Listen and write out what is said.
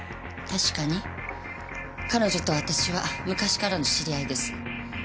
確かに彼女と私は昔からの知り合いです。